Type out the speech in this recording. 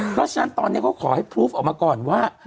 เพราะฉะนั้นตอนนี้เขาขอให้พลูฟออกมาก่อนว่า